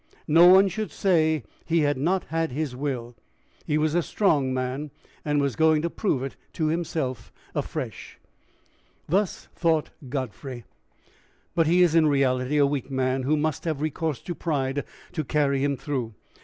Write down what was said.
No one should say he had not had his will! He was a strong man, and was going to prove it to himself afresh! Thus thought Godfrey; but he is in reality a weak man who must have recourse to pride to carry him through.